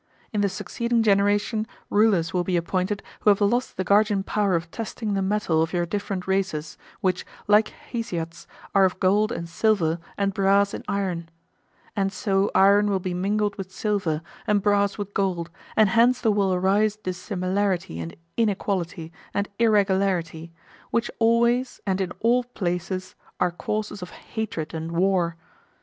In the succeeding generation rulers will be appointed who have lost the guardian power of testing the metal of your different races, which, like Hesiod's, are of gold and silver and brass and iron. And so iron will be mingled with silver, and brass with gold, and hence there will arise dissimilarity and inequality and irregularity, which always and in all places are causes of hatred and war.